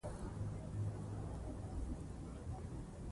د سیندونو او چینو ساتنه د اوبو د دوام لپاره ډېره مهمه ده.